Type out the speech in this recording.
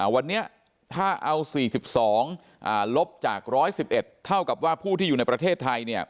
วันนี้ถ้าเอา๔๒๑๑๑เท่ากับว่าผู้ที่อยู่ในประเทศไทย